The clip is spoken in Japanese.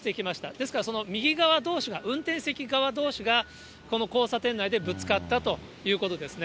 ですから、その右側どうしが、運転席側どうしがこの交差点内でぶつかったということですね。